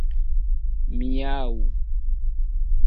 miaŭ